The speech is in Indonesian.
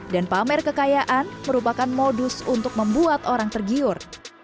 dan pamer kekayaan merupakan modus untuk membuat orang tergiur